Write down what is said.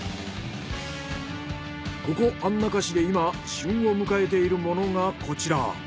ここ安中市で今旬を迎えているものがこちら。